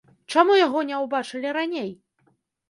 Чаму яго не ўбачылі раней?